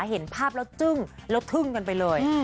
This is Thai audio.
เห็นภาพแล้วจึ้งแล้วทึ่งกันไปเลย